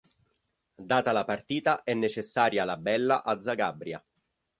Data la parità è necessaria la "bella" a Zagabria.